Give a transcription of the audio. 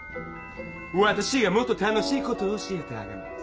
わたしがもっと楽しいこと教えてあげます。